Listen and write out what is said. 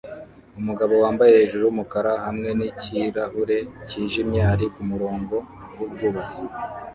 Umugabo wambaye hejuru yumukara hamwe nikirahure cyijimye ari kumurongo wubwubatsi